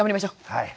はい。